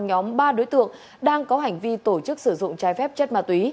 nhóm ba đối tượng đang có hành vi tổ chức sử dụng trái phép chất ma túy